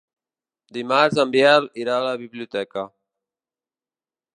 Dimarts en Biel irà a la biblioteca.